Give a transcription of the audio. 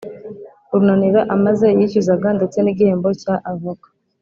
runanira amaze yishyuzaga ndetse n’igihembo cya avoka